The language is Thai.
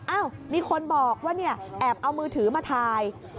อ้าวมีคนบอกว่าแอบเอามือถือมาทาย